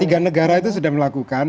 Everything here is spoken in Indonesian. tiga negara itu sudah melakukan